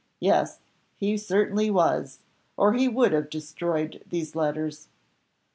yes, he certainly was, or he would have destroyed these letters."